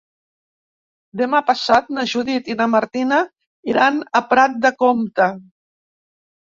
Demà passat na Judit i na Martina iran a Prat de Comte.